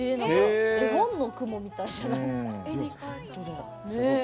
絵本の雲みたいじゃない。